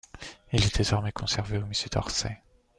Il est désormais conservé au musée d'Orsay.